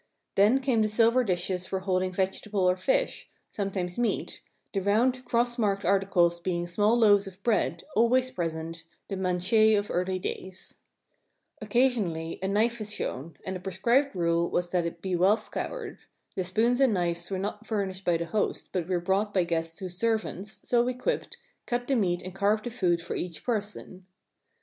Then came the silver dishes for holding vegetable or fish, sometimes meat, the round round cross marked articles being small loaves of bread, always present, the "manchet" of early days. Occasionally a knife is shown, and a prescribed rule was that it be well scoured; the spoons and knives An Anglo Saxon Dinner With servants presenting food kneeling were not furnished by the host, but were brought by guests whose servants, so equipped, cut the meat and carved the food for each person.